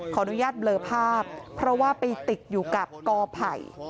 ขออนุญาตเบลอภาพเพราะว่าไปติดอยู่กับกอไผ่